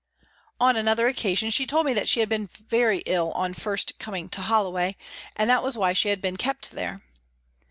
On another occasion she told me that she had been very ill on first coming to Holloway, and that was why she had been kept there.